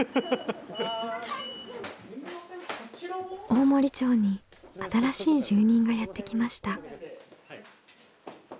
大森町に新しい住人がやって来ました。